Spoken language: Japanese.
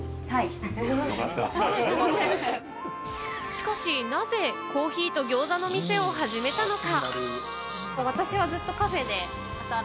しかしなぜ、コーヒーとぎょうざのお店を始めたのか？